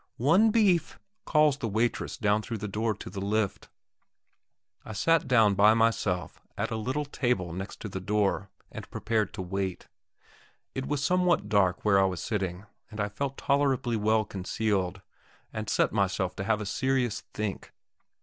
"One beef!" calls the waitress down through the door to the lift. I sat down by myself at a little table next to the door, and prepared to wait. It was somewhat dark where I was sitting, and I felt tolerably well concealed, and set myself to have a serious think.